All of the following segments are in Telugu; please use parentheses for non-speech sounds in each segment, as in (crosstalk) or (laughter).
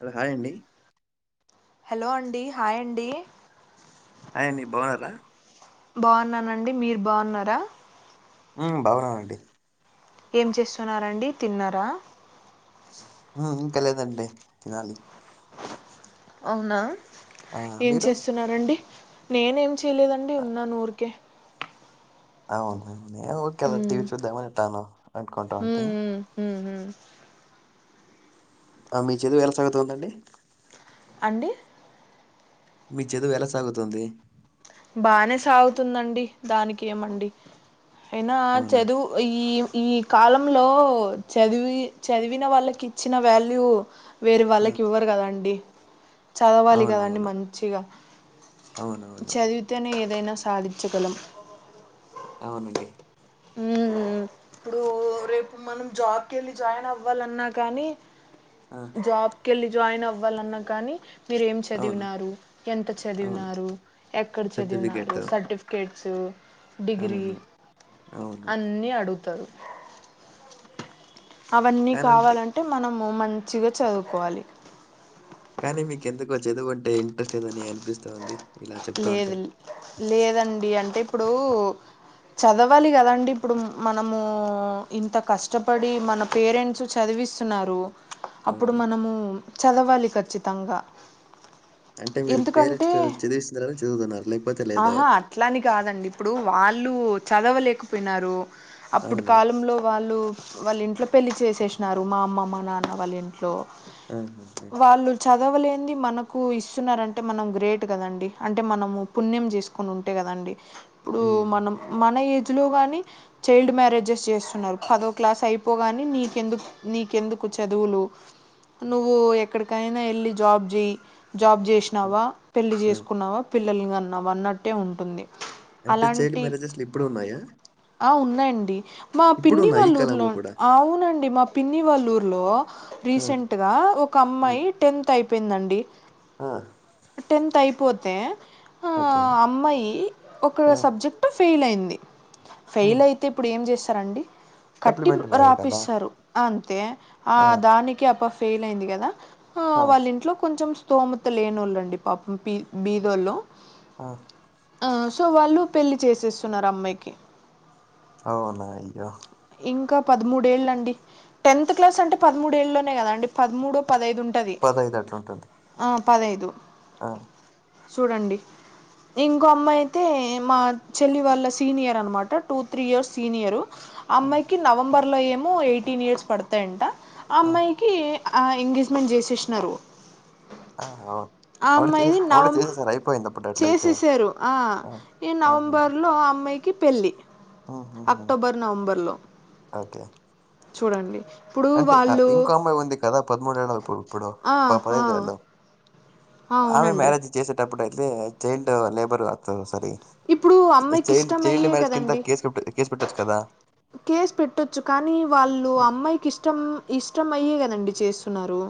హలో హాయ్ అండి హలో అండి హాయ్ అండి హాయ్ అండి బాగున్నారా బాగున్నానండి మీరు బాగున్నారా ఉం బాగున్ననండి ఏం చేస్తున్నారండి తిన్నరా ఆహా ఇంక లేదండి తినాలి అవునా ఆ ఏం మీరు చేస్తున్నారండి నేనేం చేయలేదండి ఉన్నాను ఊరికే అవునవు ఓకే అద ఉమ్, టీవీ చూద్దామనిట్టాను (unintelligible) అనుకుంటా అంటే హు హామ్ ఉం ఆ మీ చదువు ఎలా సాగుతుందండి అండి మీ చదువు ఎలా సాగుతుంది బానే సాగుతుందండి దానికి ఏమండి అయినా అవునా చదువు ఈ ఈ కాలంలో చదివి చదివిన వాళ్ళకి ఇచ్చిన వాల్యూ వేర ఆ వాళ్ళకి ఇవ్వరు కదండి చదవాలి కదండి అవునవును మంచిగా అవునవును చదివితేనే ఏదైనా సాధిచగలం అవునండి ఉం ఇప్పుడు రేపు మనం జాబ్కి వెళ్ళి జాయిన్ అవ్వాలన్నా కానీ ఆ జాబ్ కెళ్ళి జాయిన్ అవ్వాలన్నా కానీ మీరు ఏం అవును చదివినారు ఎంత అవును చదివినారు ఎక్కడ సర్టిఫికెట్ చదివినారు సర్టిఫికేట్స్ డిగ్రీ అవును అవును అన్ని అడుగుతారు అవన్నీ కానంటే కావాలంటే మనము మంచిగా చదువుకోవాలి కానీ మీకు ఎందుకో చదువు అంటే ఇంట్రెస్ట్ లేదని అనిపిస్త ఉంది ఇలా చెప్తా లేదు ఉంటే లేదండి అంటే ఇప్పుడు చదవాలి కదండడి ఇప్పుడు మనము ఇంత కష్టపడి మన పేరెంట్స్ చదివిస్తున్నారు అప్పుడు అవును మనము చదవాలి కచ్చితంగ అంటే మీరు (unintelligible) చదివిస్తున్నారని చదువుతన్నారు ఆహా అట్లని కాదండి ఇప్పుడు వాళ్ళు చదవలేకపోయినారు అప్పుడు అవును. కాలంలో వాళ్ళు వాళ్ళ ఇంట్లో పెళ్లి చేసేసినారు మా అమ్మ మా నాన్న వాళ్ళ ఇంట్లో ఆహాహా! వాళ్ళు చదవలే (unintelligible) మనకు ఇస్తున్నారంటే మనం గ్రేట్ కదండి అంటే మనము పుణ్యం చేసుకొని ఉంటే కదండి ఇప్పుడు హ్మ్. మనం మన ఏజ్లో కానీ చైల్డ్ మ్యారేజెస్ చేస్తున్నారు పదో క్లాస్ అయిపోగాని నీకెందు నీకెందుకు చదువులు నువ్వు ఎక్కడికైన వెళ్ళి జాబ్ చెయ్ జాబ్ హ్మ్. చేసినావా పెళ్లి ఆ! చేసుకున్నావ పిల్లలుగాన్నవ అన్నట్టే ఉంటుంది అంటే చైల్డ్ అలాంటి మ్యారేజెస్లు ఇప్పుడు ఉన్నాయ ఆ ఉన్నాయండి మా పిన్ని ఉన్నాయి. ఈ వాళ్ళ ఊర్లో కాలంలో కూడా. అవునండి మ పిన్నివాల్లూర్లో ఆ! రీసెంట్గ ఒక ఆ! అమ్మాయి టెన్త్ అయిపోయిందండి ఆ టెన్త్ అయిపోతే ఆ ఓకే. అమ్మాయి ఒక ఆ! సబ్జె ఫెయిల్ అయింది హ్మ్. ఫెయిల్ అయితే ఇప్పుడు ఏం చేస్తారండి కట్టి సప్లిమెంటరీయే కదా! రాపిస్తారు అంతే ఆ దానికి అ ఫెయిల్ అయింది కదా ఆ! వాళ్ళ ఇంట్లో కొంచెం స్థోమత లేని ఒళ్ళండి పాపం బీ బీదోలు ఆ సో వాళ్ళు పెళ్ళి చేసేస్తున్నారు అమ్మాయికి అవున అయ్యో ఇంక పదమూడేలు అండి టెన్త్ క్లాస్ంటే పదమూడేలే కదాండి పదమూడు పదైదు ఉంటుంది పదైదు అట్లుంటది ఆ పదైదు ఆ చూడండి ఇంకో అమ్మాయి అయితే మా చెల్లి వాళ్ళ సీనియర్ అనమాట టూ త్రీ ఇయర్స్ సీనియరు ఆ అమ్మాయికి నవంబర్లో ఏమో ఎయిటీన్ ఇయర్స్ పడతాయంట ఆ అమ్మాయి కి ఆ ఎంగేజ్మెంట్ చేసేసినారు ఆ ఆ ఆవిడ అమ్మాయిది చేసేసి ఆవిడ నవం చేసేసారు. అయిపోయిందప్పుడు అట్లయితే. చేసేసారు ఆ ఈ నవంబర్ లో ఆ అమ్మాయి కి పెళ్లి అహహ ఒకే చూడండి ఇప్పుడు అంటే వాళ్ళు ఇంకో అమ్మాయి ఉంది కదాపదమూడేళ్ళ ఇ ఇప్పుడు ఆ ప ఆ పదహైదేళ్ళ ఆ! ఆమె అవునండి మ్యారేజ్ చేసేటప్పుడు అయితే చైల్డ్ లేబరు ఇప్పుడు (unintelligible) అమ్మాయికి చైల్డ్ చైల్డ్ ఇష్టమయ్యే మ్యారేజ్ కింద కదండి కేసు పెట్ట (unintelligible) కేసు పెట్టచ్చు కదా కేసు పెట్టొచ్చు కానీ వాళ్ళు ఉమ్, అమ్మాయికి ఇష్టం ఇష్టంమయ్యే కదండి చేస్తున్నారు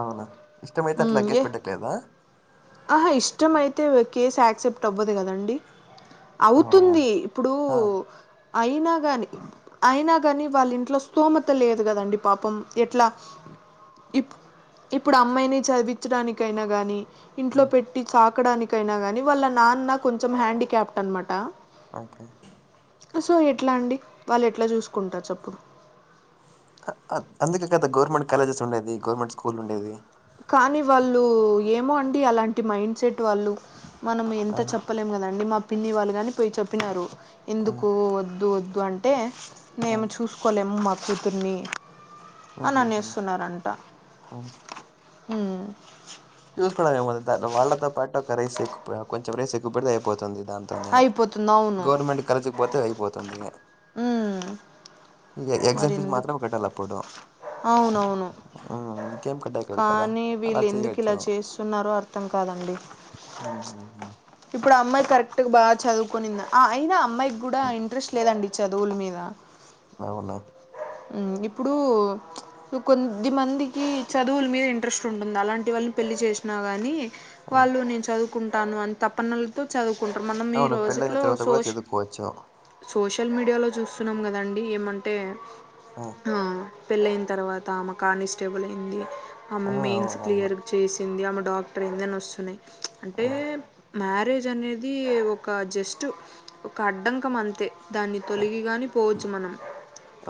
అవునా ఇష్టమైతే అట్ల ఉమ్ ఏ కేస్ పెట్టట్లేద ఆహా ఇష్టం అయితే కేసు యాక్సెప్ట్ అవ్వదు కదండి అవునా అవుతుంది ఇప్పుడు ఆ, అయినా గాని అయినా గాని వాల్లింట్లో స్థోమత లేదు కదండి. పాపం ఎట్లా ఇప్ ఇప్పుడు అమ్మాయిని చదివించడానికైనా గానీ ఇంట్లో ఉమ్, పెట్టి చాకడానికైనా గాని వాళ్ళ నాన్న కొంచెం హ్యాండీక్యాప్ట్ అనమాట ఓకే సో ఇట్లా అండి వాల్లేట్లా చూసుకుంటారు చెప్పు ఆ ఆ అందుకే కదా గవర్నమెంట్ కాలేజెస్ ఉండేది, గవర్నమెంట్ స్కూల్ ఉండేది. కానీ వాళ్ళు ఏమో అండి అలాంటి మైండ్ సెట్ వాళ్ళు మనం ఎంత ఆ, చెప్ చెప్పలేం కదండి మా పిన్ని వాళ్ళు కానీ పోయి చెప్పినారు ఆ, ఎందుకు వద్దు వద్దు అంటే ఆ, మేము చూసుకోలేము మా కూతుర్ని అని ఆహా హా అనేస్తున్నారంట ఉమ్ చూసుకోవడం ఏము వాళ్ళతో పాటు ఒక రైస్ ఎక్కువ కొంచం రైస్ ఎక్కువ పెడితే అయిపోతుంది. దాంతోనే అయిపోతుంది అవును గవర్నమెంట్ కాలేజీ కి పోతే అయిపోతుంది ఉమ్ ఇక ఎక్జమ్ మరి ఫీస్ ఎందుకు మాత్రమే కట్టాల పోటో అవునవును మ్మ్ మ్మ్ ఇన్కేేమ్ కట్ట కాదు కదా అలా చెయోచ్చు. ఇస్తున్నారో అర్థం కాదండి ఊహూహు ఇప్పుడమ్మాయి కరెక్ట్గా బాగా చదువుకునింది అయినా అమ్మాయికి కూడా ఇంట్రెస్ట్ లేదండి చదువుల మీద అవునా మ్మ్ ఇప్పుడు నువ్వు కొద్ది మందికి చదువులు మీద ఇంట్రెస్ట్ ఉంటుంది. అలాంటి వాళ్ళకి పెళ్లి చేసినా గాని ఆ. వాళ్ళు నేను చదువుకుంటాను అని తపనల్ చదువుకుంటం మనం ఈ అవును పెళ్ళైన రోజులో తర్వాత కూడా సోష చదువుకోవచ్చు. సోషల్ మీడియాలో చూస్తున్నాం కదండి ఏమంటే ఆ! హా పెళ్ళయిన తర్వాత ఆమె కానిస్టేబులయింది. ఆమె ఆ! మెయిన్స్ అవునవును. క్లియర్గా చేసింది ఆమె డాక్టరయిందని వస్తున్నాయ్. ఆ! అంటే మ్యారేజ్ అనేది ఒక జస్ట్ ఒక అడ్డంకం అంతే దాన్ని ఆ! తొలగి గాని పోవచ్చు మనం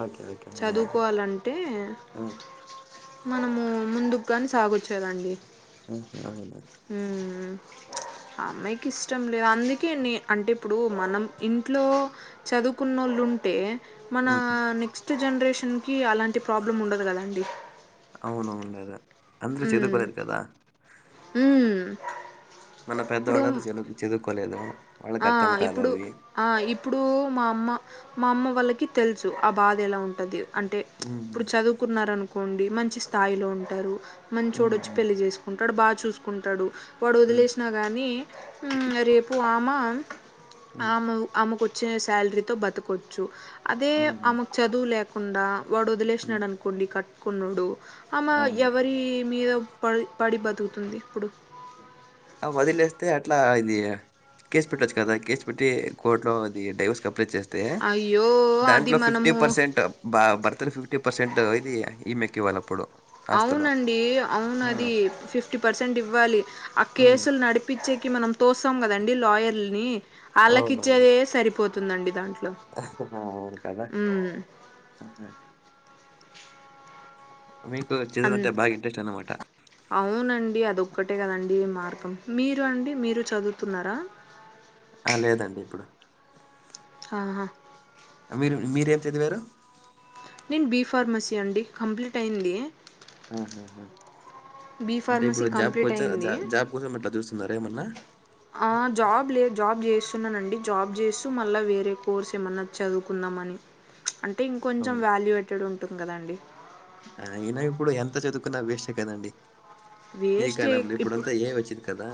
ఓకే ఓకే అవునవును. చదువుకోవాలంటే ఆ! మనము ముందుకుగాని సాగొచ్చు కదండి (unintelligible) మ్మ్ ఆ అమ్మాయికిష్టం లేదు అందుకే నే అంటే ఇప్పుడు మనం ఇంట్లో చదువుకున్నోళ్ళుంటే మన హ్మ్. నెక్స్ట్ జనరేషన్ కి అలాంటి ప్రాబ్లం ఉండదు కదాండి అవునవును గదా అందరూ చదువుకోలేదు కదా మ్మ్మ్మ్ మన పెద్దవాళ్ళతో చదువు చదువుకోలేదు ఆ వాళ్ళకర్థం ఇప్పుడు కాదది. ఆ ఇప్పుడు మా అమ్మ మా అమ్మ వాళ్ళకి తెలుసు ఆ బాదేలా ఉంటది అంటే హ్మ్. ఇప్పుడు చదువుకున్నారనుకోండి మంచి స్థాయిలో ఉంటారు. హ్మ్. మంచోడొచ్చి హ్మ్. పెళ్ళి చేసు కుంటాడు బాగ చూసుకుంటాడు వాడు హ్మ్. వదిలేసినా కానీ ఆ రేపు ఆమ హ్మ్. ఆమె ఆమెకొచ్చే శాలరీతో బతకోచ్చు అదే హ్మ్. హ్మ్. ఆమె చదువు లేకుండా వాడు హ్మ్. వదిలేసినాడు అనుకోండి కట్టుకున్నొడు అమె అవును. ఎవరి మీద పడి పడి బతుకుతుంది ఇప్పుడు ఆ వదిలేస్తే అట్లా ఇది కేసు పెట్టొచ్చు కదా కేసు పెట్టి కోర్టు లో ది డైవర్స్ కి అప్లై చేస్తే అయ్యో అది దాంట్లో ఫిఫ్టీ మనము పర్సెంట్ బా భర్తలు ఫిఫ్టీ పర్సెంట్ ఇది ఈమెకు ఇవ్వాలి అప్పుడు అవునండి అవును అది ఫిఫ్టీ పర్సెంట్ ఇవ్వాలి ఆ ఉమ్ కేసులు నడిపిచ్చేకి మనం తోస్సాం కదండి లాయర్ల ని ఆళ్ళకి ఇచ్చేదే సరిపోతుందండి దాంట్లో అహ్ అవును కదా (inaudible) ఉమ్ మీకు చదువు అన్ అంటే బాగా ఇంట్రెస్ట్ అనమాట అవునండి అది ఒక్కటే కదండి మార్గం మీరు అండి మీరూ చదువుతున్నారా ఆ లేదండి ఇప్పుడు ఆహా మీరు మీరేం చదివారు నేను బి ఫార్మసీ అండి కంప్లీట్ అయ్యింది ఊహూహూ బి అంటే ఫార్మసీ ఇప్పుడు కంప్లీట్ జాబ్కొచ్చా అయింది జా జాబ్ కోసం అట్లా చూస్తున్నారా ఏమన్నా ఆ జాబ్ లే జాబ్ చేస్తున్నానండి జాబ్ చేస్తూ మళ్ళా వేరే కోర్స్ ఏమన్నా చదువుకుందామని అంటే ఇంకొంచెం అవును వాల్యూయేటెడ్ ఉంటుంది కదండి అయినా ఇప్పుడు ఎంత చదువుకున్నా వేస్టే కదండి ఈ వేస్టే కాలంలో ఇప్పుడు ఇప్పుడంతా ఏ ఐ వచ్చింది కదా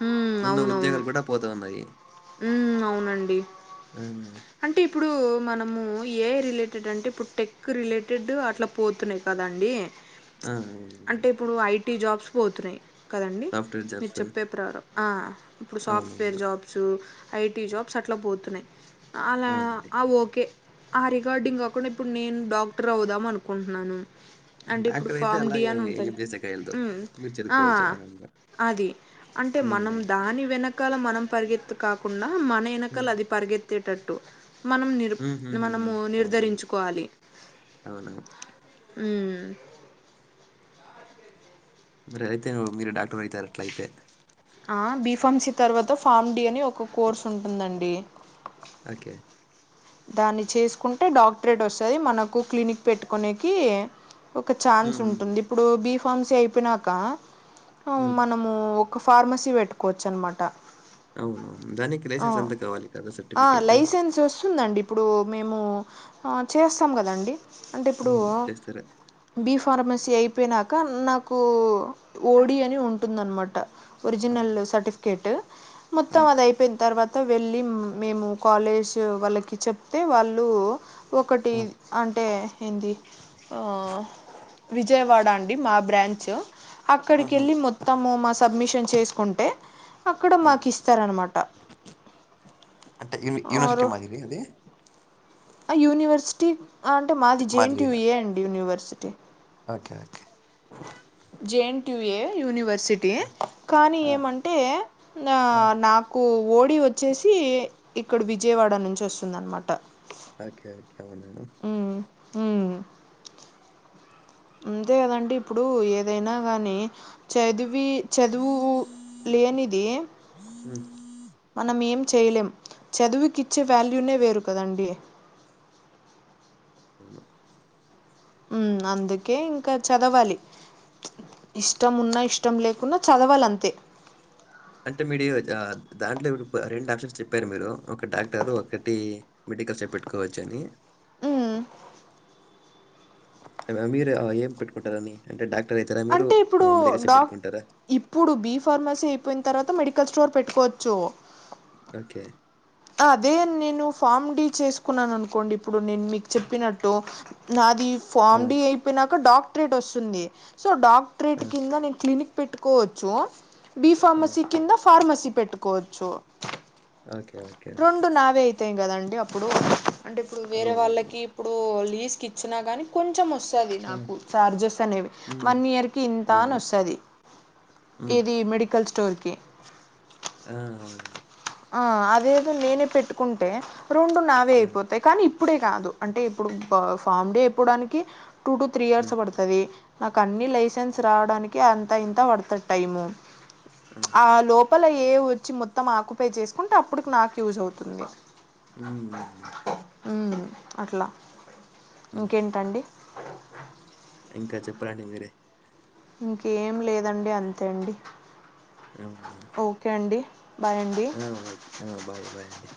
హ్మ్. ఉన్న ఉద్యోగాలు కూడా పోతా ఉన్నాయి ఊ అవునండి ఊ అంటే ఇప్పుడు మనము ఏ ఐ రిలేటెడ్ అంటే ఇప్పుడు టెక్ రిలేటెడ్ అట్లా పోతున్నాయి కదండి ఆ అవునవును అంటే ఇప్పుడు ఐ టీ జాబ్స్ పోతున్నాయి కదండి సాఫ్ట్వేర్ మీరు జాబ్స్ చెప్పే ప్రా ఆ ఇప్పుడు సాఫ్ట్వేర్ అవునవును jobs I T jobs అట్లా పోతున్నాయి అలా అవునండి ఆ ఓకే ఆ రిగార్డింగ్ కాకుండా ఇప్పుడు నేను డాక్టర్ అవుదాం అనుకుంటున్నాను అంటే ఇప్పుడు డాక్టర్ అయితే ఫామ్ అలా డి అని ఏ- ఉంటది ఏం చేసే కాయలదు ఉమ్ మీరు ఆ చదువుకోవచ్చు ఆరాంగా అది అంటే మనం ఉమ్ దాని వెనకాల మనం పరిగెత్తు కాకుండా మన ఉమ్ ఎనకాల అది పరిగె త్తేటట్టు మనం నిరు ఉమ్ ఉమ్ ఉమ్ మనము ఉమ్. అవునవును నిర్ధరించుకోవాలి అవునా ఊ మరి అయితేను మీరు డాక్టర్ అయితారు అట్లయితే ఆ బీ ఫామ్సీ తర్వాత ఫామ్ డి అని ఒక కోర్స్ ఉంటుందండి ఆకే దాన్ని చేసుకుంటే డాక్టరేట్ వస్తాది మనకు క్లినిక్ పెట్టుకునేకి ఒక ఛాన్స్ హ్మ్. ఉంటుంది ఇప్పుడు బి ఫామ్సీ అయిపోయినాక ఔ హ్మ్. మనం ఊ ఒక ఫార్మసీ పెట్టుకోవచ్చు అనమాట అవునవును దానికి ఆ లైసెన్స్ అంతా కావాలి కదా సర్టిఫికేట్ తుందండి ఇప్పుడు మేము ఆ చేస్తాం కదండి అంటే ఇప్పుడు అవును చేస్తారా? బి ఫార్మసీ అయిపోయినాక నాకు ఓ డి అని ఉంటుంది అనమాట ఒరిజినల్ ఆహా! సర్టిఫ్ కేట్ ఆ! మొత్తం అది అయిపోయిన తర్వాత వెళ్ళి మేము కాలేజ్ వాళ్ళకి చె తే వాళ్ళు ఒకటి ఆ! అంటే ఏంది ఆ విజయవాడ అండి మా బ్రాంచ్ అక్కడికి ఆహా! ఎళ్ళి మొ మొత్తము మా సబ్మిషన్ చేసుకుంటే అక్కడ ఆ! మాకు ఇస్తారనమాట ఆరు ఏ అదే ఆ యూనివర్సిటీ అంటే మాది జేఎన్ టి మాదిరిగా. యూఏ అండి university okay okay J N T A university ఆ! కానీ ఆ! ఏమంటే నా ఆ! నాకు కు ఓడి వచ్చేసి ఇక్కడ విజయవాడ నుంచి వస్తుంది అనమాట ఓకే ఓకే మేడం ఊ ఊ అంతే కదండి ఇప్పుడు ఏదైనా కానీ చదివి చదువు లేనిదే హ్మ్. మనం ఏం చేయలేం చదువుకి ఇచ్చే వాల్యూనే వేరు కదండి అవున ఉ అందుకే ఇంకా చదవాలి ఇష్టం ఉన్నా ఇష్టం లేకున్నా చదవాలంతే అంటే మీరు దాంట్లో ఇపుడు రెండు ఆప్షన్స్ చెప్పారు మీరు ఒక డాక్టరు ఒకటి మెడికల్ షాప్ పెట్టుకోవచ్చు అని ఉమ్ మీరు ఏం పెట్టుకుంటారా అని అంటే డాక్టర్ అవుతారా మీరు అంటే ఇప్పుడు మెడికల్ షాప్ డాక్ పెట్టుకుంటారా ఇప్పుడు బీ ఫార్మసీ అయిపోయిన తర్వాత మెడికల్ స్టోర్ పెట్టుకోవచ్చు ఓకే అదే నేను ఫామ్ డీ చేసుకున్నాను అనుకోండి ఇప్పుడు నేను మీకు చెప్పినట్టు నాది ఆ! ఫామ్ డి అయి పోయినాక డాక్టరేట్ వస్తుంది సో ఆ! డాక్టరేట్ కింద నేను క్లినిక్ పెట్టుకోవచ్చు బీ ఫార్మసీ ఆహా! కింద ఫార్మసీ పెట్టుకోవచ్చు ఓకే ఓ రెండు నావే అవుతాయి కదండి అప్పుడు అంటే ఇప్పుడు వేరే అవునవును. వాళ్ళకి ఇప్పుడు లీజ్కి ఇచ్చిన కానీ కొంచెం వస్తది ఆ! నాకు చార్జెస్ అనేవి హ్మ్. వన్ ఇయర్ కి ఇంత అని అవును. వస్తది హ్మ్. ఇది మెడికల్ స్టోర్కి ఆ మరి అండి ఆ అదేదో నేనే పెట్టుకుంటే రెండు నావే ఆ! అయిపోతు కానీ ఇప్పుడే కాదు అంటే ఇప్పుడు ఫామ్ డే ఇప్పడానికి టూ టు త్రీ ఆ! ఇయర్స్ పడుతుంది నాకు అన్నీ లైసెన్స్ రావడానికి అంత ఇంత పడుతుంది టైము ఉ ఆ లోపల ఏ వచ్చి మొత్తం ఆకు పై చేసుకుంటే అప్పుడుకి నాకు యూజ్ అవుతుంది ఊ అట్లా హ్మ్. ఇంకేంటండి ఇంకా చెప్పాలండి మీరే ఇంకేం లేదండి అంతే అండి ఏముందే ఓకే అండి బాయ్ అండి బా బయ్ ఆ బాయ్ బాయ్ అండి